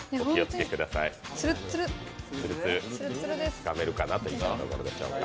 つかめるかなというところでしょうか。